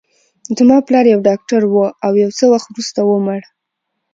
زما پلار یو ډاکټر و، او یو څه وخت وروسته ومړ.